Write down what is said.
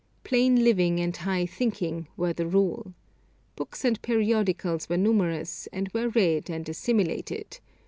'Plain living and high thinking' were the rule. Books and periodicals were numerous, and were read and assimilated.